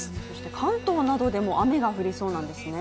関東などでも雨が降りそうなんですね。